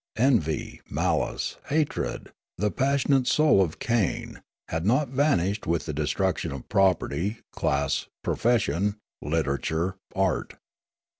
Envy, malice, hatred, the passionate soul of Cain, had not vanished with the destruction of property, class, profession, literature, art.